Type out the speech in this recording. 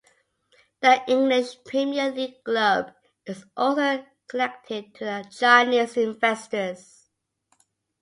The English Premier League club is also connected to the Chinese investors.